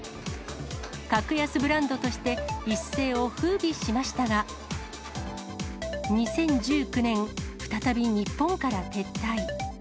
格安ブランドとして、一世をふうびしましたが、２０１９年、再び日本から撤退。